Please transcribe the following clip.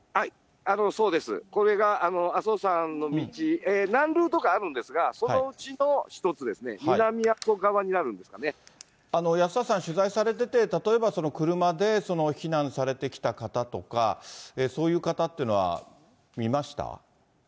そうです、これが阿蘇山の道、何ルートかあるんですが、そのうちの１つですね、安田さん、取材されてて、例えば車で避難されてきた方とか、そういう方というのは見ました？